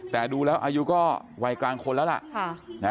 แต่ดูแล้วอายุก็วัยกลางคนแล้วล่ะ